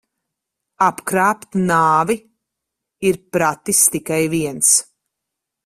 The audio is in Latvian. Apkrāpt nāvi ir pratis tikai viens.